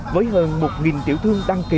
với hơn một tiểu thương đăng ký